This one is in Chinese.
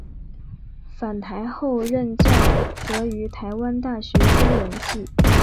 返台后任教则于台湾大学中文系。